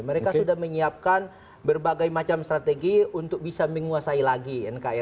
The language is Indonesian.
mereka sudah menyiapkan berbagai macam strategi untuk bisa menguasai lagi nkri